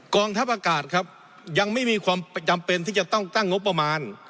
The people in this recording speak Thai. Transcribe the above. กองทัพอากาศครับยังไม่มีความจำเป็นที่จะต้องตั้งงบประมาณ